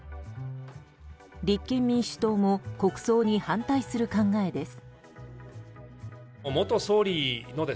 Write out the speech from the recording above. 立憲民主党も国葬に反対する考えです。